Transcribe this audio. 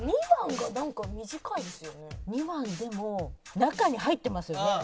２番でも中に入ってますよね。